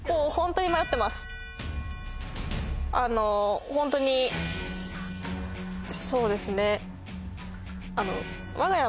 あのホントにそうですね。